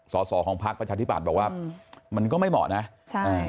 สอสอของพักประชาธิบัตย์บอกว่ามันก็ไม่เหมาะนะใช่